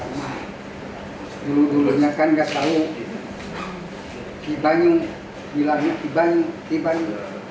dulu dulunya kan gak tahu aki banyu bilangnya aki banyu aki banyu